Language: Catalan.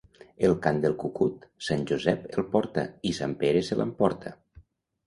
El cant del cucut, Sant Josep el porta i Sant Pere se l'emporta.